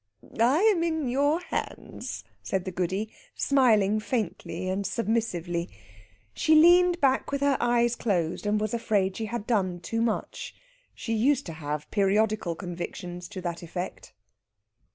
"I am in your hands," said the Goody, smiling faintly and submissively. She leaned back with her eyes closed, and was afraid she had done too much. She used to have periodical convictions to that effect.